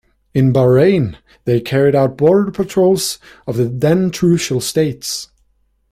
In Bahrain, they carried out border patrols of the then Trucial States.